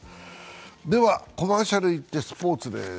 では、コマーシャルいってスポーツです。